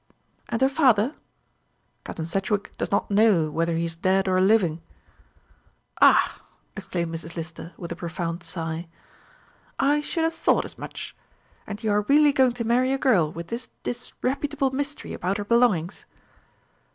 "And her father?" "Captain Sedgewick does not know whether he is dead or living." "Ah!" exclaimed Mrs. Lister with a profound sigh; "I should have thought as much. And you are really going to marry a girl with this disreputable mystery about her belongings?"